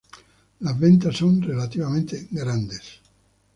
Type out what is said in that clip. Las ventanas son relativamente grandes.